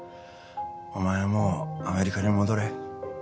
お前はもうアメリカに戻れ